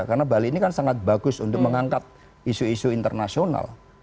karena bali ini kan sangat bagus untuk mengangkat isu isu internasional